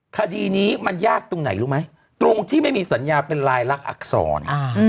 คดีนี้มันยากตรงไหนรู้ไหมตรงที่ไม่มีสัญญาเป็นลายลักษณอักษร